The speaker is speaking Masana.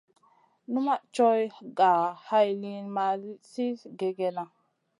Numaʼ coyh ga hay liyn ma sli kègèna.